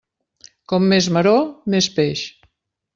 Com més maror, més peix.